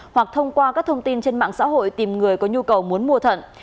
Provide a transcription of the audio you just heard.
hoặc thông qua các thông tin trên mạng xã hội tìm người có nhu cầu muốn mua thận